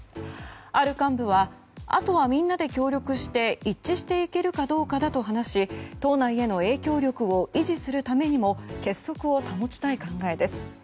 ある幹部はあとはみんなで協力して一致していけるかどうかだと話し党内への影響力を維持するためにも結束を保ちたい考えです。